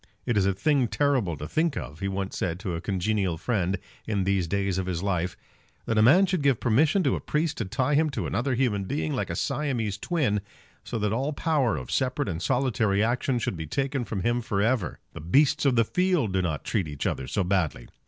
"It is a thing terrible to think of," he once said to a congenial friend in these days of his life, "that a man should give permission to a priest to tie him to another human being like a Siamese twin, so that all power of separate and solitary action should be taken from him for ever! The beasts of the field do not treat each other so badly.